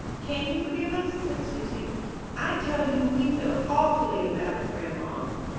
"Can you forgive us?" said Susy. "I tell you we feel awfully about it, grandma!"